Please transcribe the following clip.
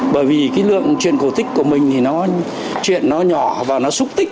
bởi vì cái lượng truyền cổ tích của mình thì nó chuyện nó nhỏ và nó xúc tích